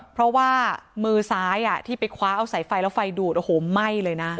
เพราะว่ามือซ้ายที่ไปคว้าเอาสายไฟแล้วไฟดูดโอ้โหไหม้เลยนะ